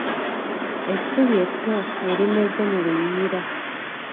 Essubi etto erimeze mu luyiira.